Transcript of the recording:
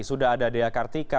sudah ada di akartika